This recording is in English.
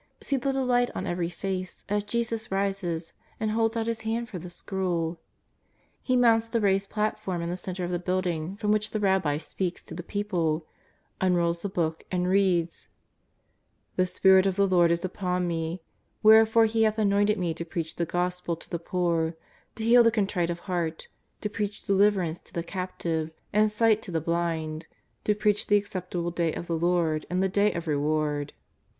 See the delight on every face as Jesus rises and holds out His hand for the scroll. He mounts the raised platform in the centre of the building from which the Rabbis speak to the people, unrolls the book and reads :" The spirit of the Lord is upon Me, wherefore He hath anointed Me to preach the Gospel to the poor, to heal the contrite of heart, to preach deliverance to the captive, and sight to the blind, to preach the acceptable day of the Lord and the day of reward."